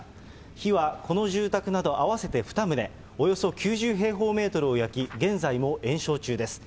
火はこの住宅など合わせて２棟、およそ９０平方メートルを焼き、現在も延焼中です。